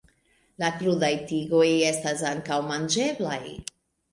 La krudaj tigoj ankaŭ estas manĝeblaj.